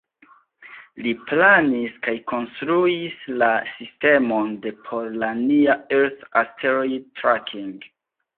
Li planis kaj konstruis la sistemon de por la "Near Earth Asteroid Tracking".